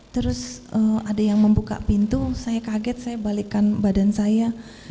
terus ada yang membuka pintu saya kaget saya balikkan badan saya